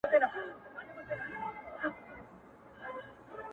• هله به اور د اوبو غاړه کي لاسونه تاؤ کړي.